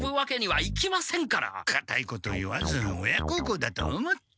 かたいこと言わず親こうこうだと思って。